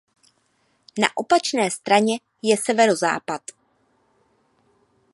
Na opačné straně je severozápad.